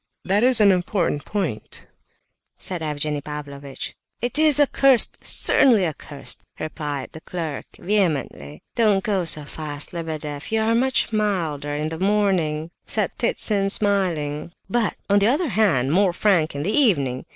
That is an important point," said Evgenie Pavlovitch. "It is accursed, certainly accursed!" replied the clerk, vehemently. "Don't go so fast, Lebedeff; you are much milder in the morning," said Ptitsin, smiling. "But, on the other hand, more frank in the evening!